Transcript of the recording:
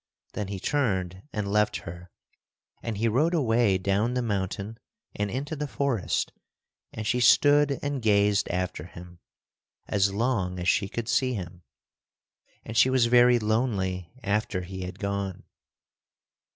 Then he turned and left her, and he rode away down the mountain and into the forest, and she stood and gazed after him as long as she could see him. And she was very lonely after he had gone.